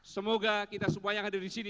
semoga kita semua yang hadir di sini